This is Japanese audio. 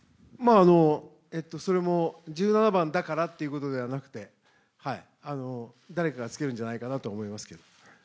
１７番だからということではなくて誰かがつけるんじゃないかと思いますけど。